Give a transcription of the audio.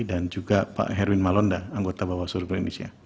dan juga pak herwin malonda anggota bawaslu indonesia